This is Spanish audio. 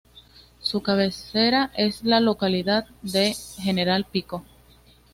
Su cabecera es la localidad de General Pico.